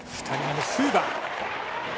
２人目のフーバー。